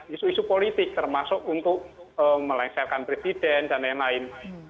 isu isu politik termasuk untuk melengsarkan presiden dan lain lain